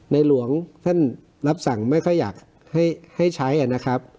หลวงท่านรับสั่งไม่ค่อยอยากให้ใช้นะครับ